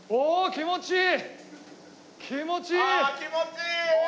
気持ちいい！